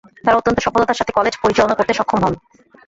তারা অত্যন্ত সফলতার সাথে কলেজ পরিচালনা করতে সক্ষম হন।